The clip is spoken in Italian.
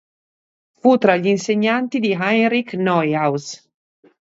Fu tra gli insegnanti di Heinrich Neuhaus.